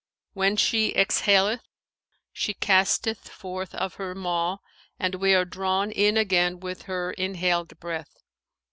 When she exhaleth, she casteth us forth of her maw, and we are drawn in again with her inhaled breath.'